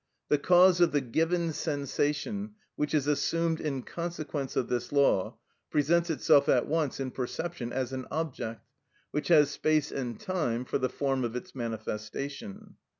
The cause of the given sensation, which is assumed in consequence of this law, presents itself at once in perception as an object, which has space and time for the form of its manifestation.